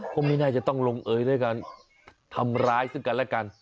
ก็ไม่น่าจะต้องลงเอยด้วยการทำร้ายซึ่งกันและกัน